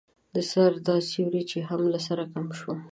د سر دا سيوری يې هم له سره کم شو.